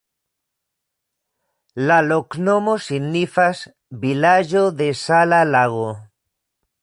La loknomo signifas: vilaĝo de-sala-lago.